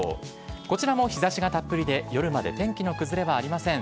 こちらも日ざしがたっぷりで、夜まで天気の崩れはありません。